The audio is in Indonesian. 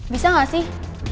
bisa gak sih